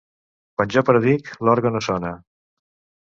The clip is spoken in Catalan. Quan jo predic, l'orgue no sona.